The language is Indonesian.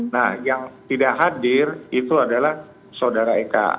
nah yang tidak hadir itu adalah saudara eka